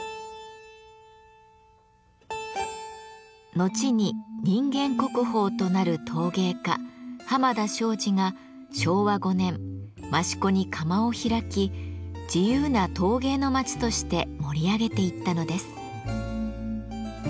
後に人間国宝となる陶芸家濱田庄司が昭和５年益子に窯を開き自由な陶芸の町として盛り上げていったのです。